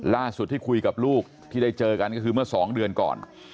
ล่าสุดที่คุยกับลูกที่ได้เจอกันก็คือเมื่อ๒เดือนก่อน